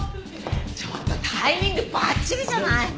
ちょっとタイミングばっちりじゃない？